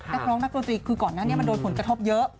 นักร้องนักดนตรีคือก่อนหน้านี้มันโดนผลกระทบเยอะ